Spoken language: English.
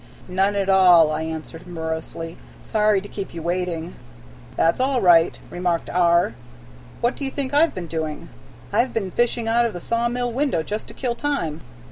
"None at all," I answered morosely. "Sorry to keep you waiting." "That's all right," remarked R. "What do you think I 've been doing? I 've been fishing out of the saw mill window just to kill time.